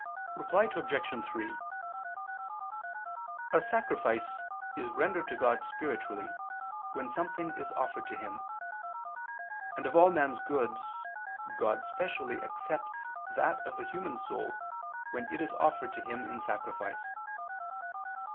Reply Obj. 3: A sacrifice is rendered to God spiritually when something is offered to Him; and of all man's goods, God specially accepts that of the human soul when it is offered to Him in sacrifice.